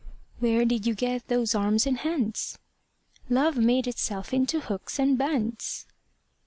Where did you get those arms and hands? Love made itself into hooks and bands.